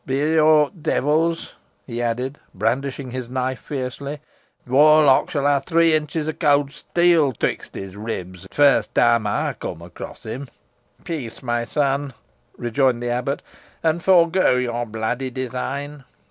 Boh, be aw t' devils!" he added, brandishing his knife fiercely, "t' warlock shall ha' three inches o' cowd steel betwixt his ribs, t' furst time ey cum across him." "Peace, my son," rejoined the abbot, "and forego your bloody design.